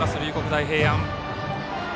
大平安。